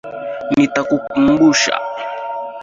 Nitakukumbusha.